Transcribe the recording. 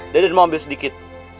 deden mau ambil sedikit